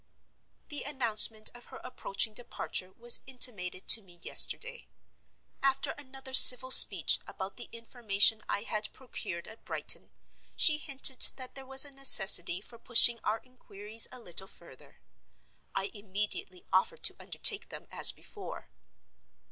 The announcement of her approaching departure was intimated to me yesterday. After another civil speech about the information I had procured at Brighton, she hinted that there was a necessity for pushing our inquiries a little further. I immediately offered to undertake them, as before.